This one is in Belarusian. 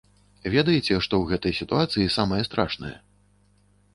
Ведаеце, што ў гэтай сітуацыі самае страшнае?